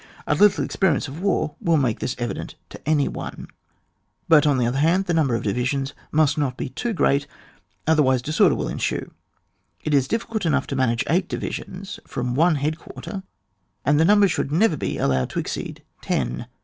A little experience of war will make this evident to any one. But on the other hand the number of divisions must not be too great, otherwise disorder will ensue. It is difficult enough to manage eight divisions from, one head quarter, and the number should never be allowed to exceed ten.